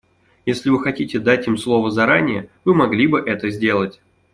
Если Вы хотите дать им слово заранее, Вы могли бы это сделать.